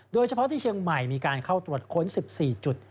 โดยเฉพาะที่เชียงใหม่มีการเข้าตรวจค้น๑๔จุด